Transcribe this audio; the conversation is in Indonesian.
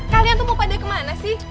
kalian tuh mau pada kemana sih